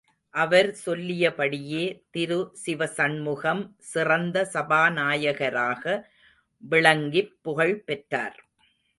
அவர் சொல்லியபடியே திரு சிவசண்முகம் சிறந்த சபாநாயகராக விளங்கிப் புகழ் பெற்றார்.